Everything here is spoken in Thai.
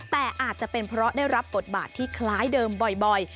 แต่อาจจะเป็นเพราะได้รับบทบาทที่คล้ายเดิมบ่อย